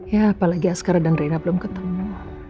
ya apalagi askara dan rina belum ketemu